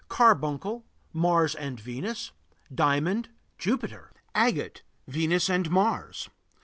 Carbuncle Mars and Venus. Diamond Jupiter. Agate Venus and Mars.